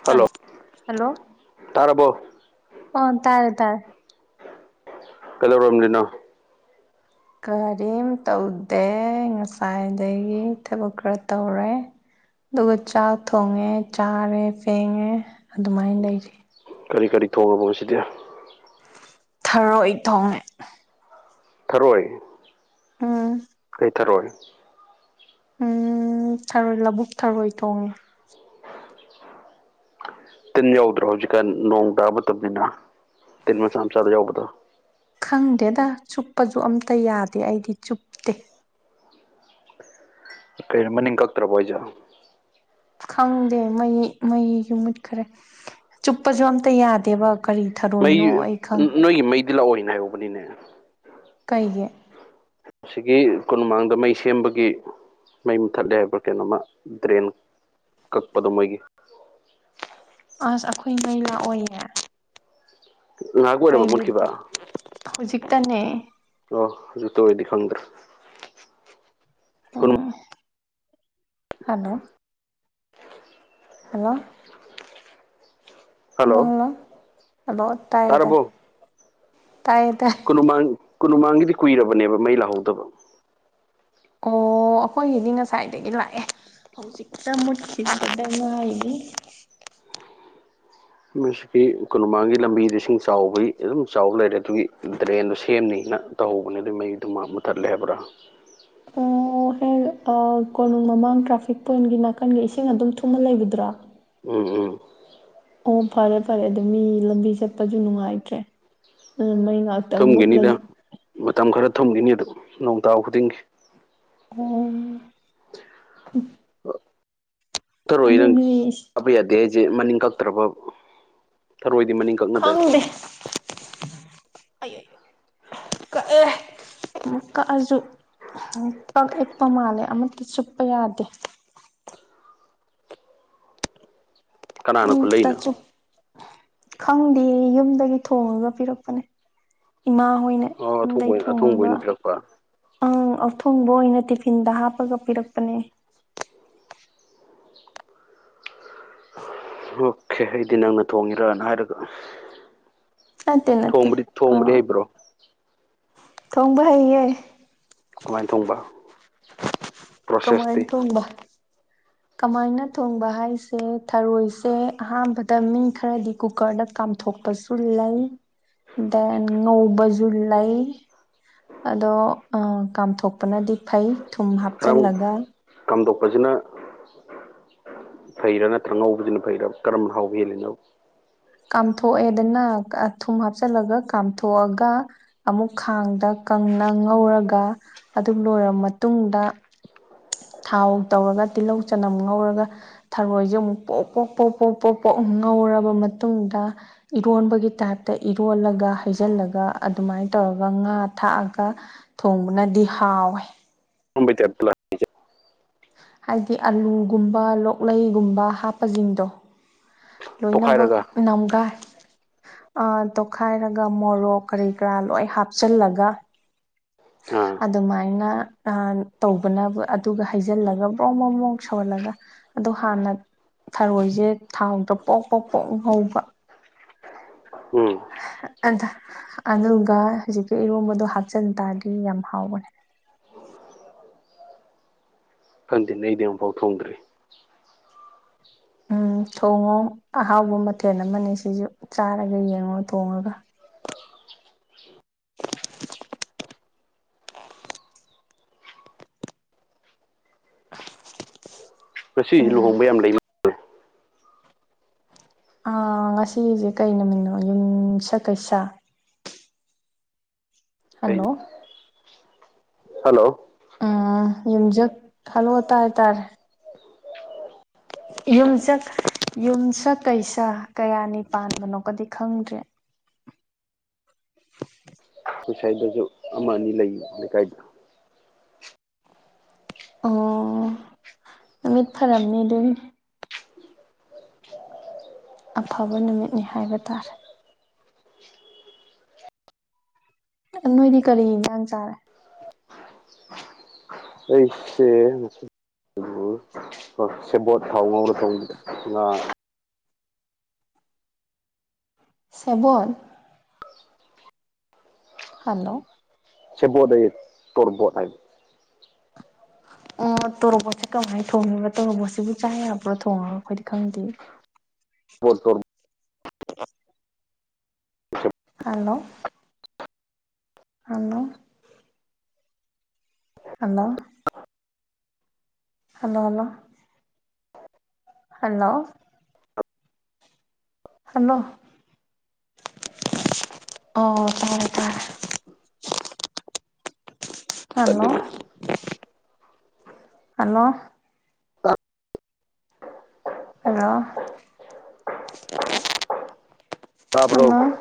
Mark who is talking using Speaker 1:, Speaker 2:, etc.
Speaker 1: hello
Speaker 2: hello
Speaker 1: ꯇꯥꯔꯕꯣ
Speaker 2: ꯑꯣ ꯇꯥꯔꯦ ꯇꯥꯔꯦ
Speaker 1: ꯀꯩꯂꯧꯔꯔꯕꯅꯤꯅꯣ
Speaker 2: ꯀꯔꯤꯝ ꯇꯧꯗꯦ ꯉꯁꯥꯏꯗꯒꯤ ꯊꯕꯛ ꯈꯔ ꯇꯧꯔꯦ ꯑꯗꯨꯒ ꯆꯥꯛ ꯊꯣꯡꯉꯦ ꯆꯥꯔꯦ ꯐꯦꯡꯉꯦ ꯑꯗꯨꯃꯥꯏꯅ ꯂꯩꯔꯤ
Speaker 1: ꯀꯔꯤ ꯀꯔꯤ ꯊꯣꯡꯉꯕꯣ ꯃꯁꯤꯗꯤ
Speaker 2: ꯊꯔꯣꯏ ꯊꯣꯡꯉꯦ
Speaker 1: ꯊꯔꯣꯏ
Speaker 2: ꯎꯝ
Speaker 1: ꯀꯩꯊꯔꯣꯏ
Speaker 2: ꯎ ꯊꯔꯣꯏ ꯂꯧꯕꯨꯛ ꯊꯔꯣꯏ ꯊꯣꯡꯉꯦ
Speaker 1: [inaudible] ꯇꯤꯟ ꯌꯥꯎꯗ꯭ꯔꯣ ꯍꯧꯖꯤꯛꯀꯥꯟ ꯅꯣꯡ ꯇꯥꯕ ꯃꯇꯝꯅꯤꯅ ꯇꯤꯟ ꯃꯆꯥ ꯃꯆꯥꯗ ꯌꯥꯎꯕꯗꯣ
Speaker 2: ꯈꯪꯗꯦꯗ ꯆꯨꯞꯄꯁꯨ ꯑꯝꯇ ꯌꯥꯗꯦ ꯑꯩꯗꯤ ꯆꯨꯞ
Speaker 1: ꯀꯩꯅꯣ ꯃꯅꯤꯡ ꯀꯛꯇ꯭ꯔꯕꯣꯍꯥꯏꯖꯦ
Speaker 2: ꯈꯪꯗꯦ ꯃꯩꯤ ꯃꯩꯒꯤ ꯃꯤꯨꯠꯈꯔꯦ ꯆꯨꯞꯄꯁꯨ ꯑꯝꯇ ꯌꯥꯗꯦꯕ ꯀꯔꯤ
Speaker 1: ꯃꯩ
Speaker 2: ꯊꯔꯣꯏꯅꯣ ꯑꯩ ꯈꯪ
Speaker 1: ꯅꯣꯏꯒꯤ ꯃꯩꯗꯤ ꯂꯥꯛꯑꯣꯏꯅꯦ ꯍꯥꯏꯍꯧꯕꯅꯤꯅꯦ
Speaker 2: ꯀꯩꯒꯤ
Speaker 1: ꯁꯤꯒꯤ ꯀꯣꯅꯨꯡꯃꯥꯡꯗ ꯃꯩ ꯁꯦꯝꯕꯒꯤ ꯃꯩ ꯃꯨꯊꯠꯂꯦ ꯍꯥꯏꯕ꯭ꯔꯥ ꯀꯩꯅꯣꯝꯃ ꯗ꯭ꯔꯦꯟ ꯀꯛꯄꯗꯣ ꯃꯣꯏꯒꯤ
Speaker 2: ꯑꯁ ꯑꯩꯈꯣꯏ ꯃꯩ ꯂꯥ ꯑꯣꯏꯌꯦ
Speaker 1: ꯉꯥꯏꯍꯥꯛ ꯑꯣꯏꯔꯕ
Speaker 2: ꯀꯩꯒꯤ
Speaker 1: ꯃꯨꯠꯈꯤꯕ
Speaker 2: ꯍꯧꯖꯤꯛꯇꯅꯦ
Speaker 1: ꯑꯣ ꯑꯗꯨ ꯇ ꯑꯣꯏꯗꯤ ꯈꯪꯗ꯭ꯔꯥ
Speaker 2: ꯎꯝ hello hello hello hello hello ꯇꯥꯏ ꯑꯦ ꯇꯥꯏ
Speaker 1: ꯇꯥꯔꯕꯣ
Speaker 2: ꯇꯥꯏ ꯇ
Speaker 1: ꯀꯨꯅꯨꯃꯥꯡ ꯀꯨꯅꯨꯃꯥꯡꯒꯤꯗꯤ ꯀꯨꯏꯔꯕꯅꯦꯕ ꯃꯩ ꯂꯥꯍꯧꯗꯕ
Speaker 2: ꯑꯣ ꯑꯩꯈꯣꯏꯒꯤꯗꯤ ꯉꯁꯥꯏꯗꯒꯤ ꯂꯥꯛꯑꯦ ꯍꯧꯖꯤꯛꯇ ꯃꯨꯠꯈꯤ ꯕꯗ ꯉꯥꯏꯔꯤ
Speaker 1: ꯀꯤ ꯀꯅꯨꯡꯃꯥꯡꯒꯤ ꯂꯝꯕꯤꯗ ꯏꯁꯤꯡ ꯆꯥꯎꯕꯒꯤ ꯑꯗꯨꯝ ꯆꯥꯎꯕ ꯂꯩꯔꯦ ꯑꯗꯨꯒꯤ ꯗ꯭ꯔꯦꯟꯗꯣ ꯁꯦꯝꯅꯤꯅ ꯇꯧꯍꯧꯕꯅꯦ ꯑꯗꯨ ꯃꯩꯗꯨ ꯃꯥ ꯃꯨꯠꯊꯠꯂꯦ ꯍꯥꯏꯕ꯭ꯔꯥ
Speaker 2: ꯑꯣ ꯀꯣꯅꯨꯡ ꯃꯃꯥꯡ ꯇ꯭ꯔꯥꯐꯤꯛ ꯄꯣꯏꯟꯒꯤ ꯅꯥꯀꯟꯒꯤ ꯏꯁꯤꯡ ꯑꯗꯨꯝ ꯊꯨꯝꯃ ꯂꯩꯕꯗ꯭ꯔꯣ
Speaker 1: ꯎꯝ ꯎꯝ
Speaker 2: ꯑꯣ ꯐꯔꯦ ꯐꯔꯦ ꯑꯗꯨ ꯃꯤ ꯂꯝꯕꯤ ꯆꯠꯄꯁꯨ ꯅꯨꯡꯉꯥꯏꯇ꯭ꯔꯦ ꯑꯗꯨꯅ ꯃꯩ ꯉꯥꯛ
Speaker 1: ꯊꯨꯝꯈꯤꯅꯤꯗ ꯃꯇꯝ ꯈꯔ ꯊꯨꯝꯈꯤꯅꯤ ꯑꯗꯨ ꯅꯣꯡꯇꯥꯎ ꯈꯨꯗꯤꯡꯒꯤ
Speaker 2: ꯑꯣ
Speaker 1: ꯊꯔꯣꯏ ꯔꯪꯁ
Speaker 2: ꯑꯗꯨꯗꯤ
Speaker 1: ꯀꯥꯕ ꯌꯥꯗꯦ ꯍꯥꯏꯁꯦ ꯃꯅꯤꯡ ꯀꯛꯇ꯭ꯔꯕ ꯊꯔꯣꯏꯗꯤ ꯃꯅꯤꯡ ꯀꯛꯅꯗꯅꯤ
Speaker 2: ꯈꯪꯗꯦ ꯑꯩ ꯀꯛꯑꯦ ꯑꯃꯨꯛ ꯀꯛꯑꯁꯨ ꯄꯛ ꯏꯛꯄ ꯃꯥꯜꯂꯦ ꯑꯃꯠꯇ ꯆꯨꯞꯄ ꯌꯥꯗꯦ
Speaker 1: ꯀꯅꯥꯅ
Speaker 2: ꯎꯝ
Speaker 1: ꯈꯨꯠꯂꯛꯏꯅꯣ
Speaker 2: ꯇꯁꯨ ꯈꯪꯗꯦ ꯌꯨꯝꯗꯒꯤ ꯊꯣꯡꯉꯒ ꯄꯤꯔꯛꯄꯅꯦ ꯏꯃꯥ ꯍꯣꯏꯅ
Speaker 1: ꯑꯣ ꯑꯊꯕ
Speaker 2: ꯌꯨꯝꯗꯩ
Speaker 1: ꯑꯊꯣꯡꯕ
Speaker 2: ꯊꯣꯡꯉꯒ
Speaker 1: ꯑꯣꯏꯅ ꯄꯤꯔꯛꯄ
Speaker 2: ꯑꯪ ꯑꯊꯣꯡꯕ ꯑꯣꯏꯅ ꯇꯤꯐꯤꯟꯗ ꯍꯥꯞꯄꯒ ꯄꯤꯔꯛꯄꯅꯦ
Speaker 1: ꯑꯣꯀꯦ ꯑꯩꯗꯤ ꯅꯪꯅ ꯊꯣꯡꯉꯤꯔꯛꯅ ꯍꯥꯏꯔꯒ
Speaker 2: ꯅꯠꯇꯦ ꯅꯠꯇꯦ
Speaker 1: ꯊꯣꯡꯕꯔꯤ ꯊꯣꯡꯕꯔꯤ ꯍꯩꯕ꯭ꯔꯣ
Speaker 2: ꯈꯪꯕ ꯍꯩꯌꯦꯦ
Speaker 1: ꯑꯗꯨꯃꯥꯏꯅ ꯊꯣꯡꯕ ꯄ꯭ꯔꯣꯁꯦꯁꯇꯤ
Speaker 2: ꯀꯃꯥꯏꯅ ꯊꯣꯡꯕ ꯀꯃꯥꯏꯅ ꯊꯣꯡꯕ ꯍꯥꯏꯁꯦ ꯊꯔꯣꯏꯁꯦ ꯑꯍꯥꯟꯕꯗ ꯃꯤꯡ ꯈꯔꯗꯤ ꯀꯨꯀꯔꯗ ꯀꯥꯝ ꯄꯨꯊꯣꯛꯄꯁꯨ ꯂꯩ ꯗꯦꯟ ꯉꯧꯕꯁꯨ ꯂꯩ ꯑꯗꯣ ꯀꯥꯝꯊꯣꯛꯄꯅꯗꯤ ꯐꯩ ꯊꯨꯝ ꯍꯥꯞ
Speaker 1: ꯈꯔꯃꯨꯛ ꯀꯥꯝꯗꯣꯛꯄꯁꯤꯅ ꯐꯩꯔꯥ ꯅꯠꯇ꯭ꯔ ꯑꯉꯧꯕꯁꯤꯅ ꯐꯩꯔꯥ ꯀꯔꯝꯅ ꯍꯥꯎꯕ ꯍꯦꯜꯂꯤꯅꯣ
Speaker 2: ꯀꯥꯝꯊꯣꯛꯑꯦꯗꯅ ꯊꯨꯝ ꯍꯥꯞꯆꯤꯜꯂꯒ ꯀꯥꯝꯊꯣꯛꯑꯒ ꯑꯃꯨꯛ ꯈꯥꯡꯗ ꯀꯪꯅ ꯉꯧꯔꯒ ꯑꯗꯨꯝ ꯂꯣꯏꯔꯕ ꯃꯇꯨꯡꯗ ꯊꯥꯎ ꯇꯧꯔꯒ ꯇꯤꯜꯍꯧ ꯆꯅꯝ ꯉꯧꯔꯒ ꯊꯔꯣꯏꯁꯦ ꯑꯃꯨꯛ ꯄꯣꯛ ꯄꯣꯛ ꯄꯣꯛ ꯄꯣꯛ ꯄꯣꯛ ꯄꯣꯛ ꯉꯧꯔꯕ ꯃꯇꯨꯡꯗ ꯏꯔꯣꯟꯕꯒꯤ ꯇꯥꯏꯞꯇ ꯏꯔꯣꯜꯂꯒ ꯍꯩꯖꯤꯜꯂꯒ ꯑꯗꯨꯃꯥꯏꯅ ꯇꯧꯔꯒ ꯉꯥ ꯊꯥꯛꯑꯒ ꯊꯣꯡꯕꯅꯗꯤ ꯍꯥꯎꯋꯦ
Speaker 1: ꯃꯕꯩꯇꯩꯦꯠꯄ ꯂ
Speaker 2: ꯍꯥꯏꯗꯤ ꯑꯥꯂꯨꯒꯨꯝꯕ ꯂꯣꯛꯂꯩꯒꯨꯝꯕ ꯍꯥꯞꯄꯁꯤꯡꯗꯣ ꯂꯣꯏꯃꯛ
Speaker 1: ꯇꯣꯈꯥꯏꯔꯒ
Speaker 2: ꯉꯒ ꯇꯣꯠꯈꯥꯏꯔꯒ ꯃꯣꯔꯣꯛ ꯀꯔꯤ ꯀꯔꯥ ꯂꯣꯏ ꯍꯥꯞꯆꯤꯜꯂꯒ
Speaker 1: ꯎꯝ
Speaker 2: ꯑꯗꯨꯃꯥꯏꯅ ꯇꯧꯕꯅ ꯑꯗꯨꯒ ꯍꯩꯖꯤꯜꯂꯒ ꯕ꯭ꯔꯣ ꯃꯣ ꯃ꯭ꯔꯣꯛ ꯁꯣꯍꯜꯂꯒ ꯑꯗꯣ ꯍꯥꯟꯅ ꯊꯔꯣꯏꯁꯦ ꯊꯥꯎꯗ ꯄꯣꯛ ꯄꯣꯛ ꯄꯣꯛ ꯍꯧꯕ
Speaker 1: ꯎꯝ
Speaker 2: ꯑꯗ ꯑꯅꯜꯒ ꯍꯧꯖꯤꯛꯀꯤ ꯏꯔꯣꯝꯕꯗꯣ ꯍꯥꯞꯆꯤꯟ ꯇꯥꯔꯗꯤ ꯌꯥꯝ ꯍꯥꯎꯕꯅꯦ
Speaker 1: ꯈꯪꯗꯦ ꯑꯩꯗꯤ ꯑꯃꯨꯛꯐꯥꯎ ꯊꯣꯡꯗ꯭ꯔꯤ
Speaker 2: ꯎꯝ ꯊꯣꯡꯉꯣ ꯑꯍꯥꯎꯕ ꯃꯊꯦꯜ ꯑꯃꯅꯦ ꯁꯤꯁꯨ ꯆꯥꯔꯒ ꯌꯦꯡꯉꯣ ꯊꯣꯡꯉꯒ [unintelligible]
Speaker 1: ꯃꯁꯤ ꯂꯨꯍꯣꯡꯕ ꯌꯥꯝ ꯂꯩꯕ
Speaker 2: ꯑ ꯉꯁꯤꯁꯦ ꯀꯩ ꯅꯨꯃꯤꯡꯅꯣ ꯌꯨꯝꯁ ꯀꯩꯁꯥ
Speaker 1: ꯀꯩꯅꯣ
Speaker 2: ꯍꯜꯂꯣ
Speaker 1: ꯍꯜꯂꯣ
Speaker 2: ꯎꯝ ꯌꯨꯝꯁ ꯈꯜꯂꯛꯑ ꯇ ꯍꯥꯏꯇꯥꯔꯦ ꯌꯨꯝꯆ ꯌꯨꯝꯆ ꯀꯩꯁꯥ ꯀꯌꯥꯅꯤ ꯄꯥꯟꯕꯅꯣꯀꯗꯤ ꯈꯪꯗ꯭ꯔꯦ
Speaker 1: ꯑꯩꯈꯣꯏ ꯁ꯭ꯥꯏꯗꯁꯨ ꯑꯃ ꯑꯅꯤ ꯂꯩ ꯂꯩꯀꯥꯏꯗ
Speaker 2: ꯑꯣ ꯅꯨꯃꯤꯠ ꯐꯔꯝꯅꯤ ꯑꯗꯨ ꯑꯐꯕ ꯅꯨꯃꯤꯠꯅꯤ ꯍꯥꯏꯕ ꯇꯥꯔꯦ ꯅꯣꯏꯗꯤ ꯀꯔꯤ ꯍꯤꯟꯖꯥꯡ ꯆꯥꯔꯦ
Speaker 1: ꯑꯩꯁꯦ ꯉꯥꯁꯤ ꯑꯗꯨꯕꯨ ꯁꯦꯕꯣꯠ ꯊꯥꯎ ꯉꯧꯔ ꯊꯣꯡꯕꯤꯗꯣ ꯉꯥ
Speaker 2: ꯁꯦꯕꯣꯠ ꯍꯜꯂꯣ
Speaker 1: ꯁꯦꯕꯣꯠ ꯑꯥꯌꯦ ꯇꯣꯔꯣꯕꯣꯠ ꯍꯥꯏ [unintelligible]
Speaker 2: ꯑ ꯇꯣꯔꯣꯕꯣꯠꯁꯦ ꯀꯃꯥꯏꯅ ꯊꯣꯡꯉꯦꯕ ꯇꯣꯔꯣꯕꯣꯠꯁꯤꯕꯨ ꯆꯥ ꯌꯥꯕꯔꯣ ꯊꯣꯡꯉꯒ ꯑꯩꯈꯣꯏꯗꯤ ꯈꯪꯗꯤꯌꯦ
Speaker 1: [unintelligible]
Speaker 2: [unintelligible] hello hello hello hello hello hello hello ꯑ ꯇꯥꯔꯦ ꯇꯥꯔꯦ ꯍꯜꯂꯣ
Speaker 1: ꯇꯠꯂꯤꯅꯦ
Speaker 2: ꯍꯜꯂꯣ
Speaker 1: [unintelligible]
Speaker 2: ꯍꯜꯂꯣ
Speaker 1: ꯇꯥꯕ꯭ꯔꯣ
Speaker 2: ꯍꯜꯂꯣ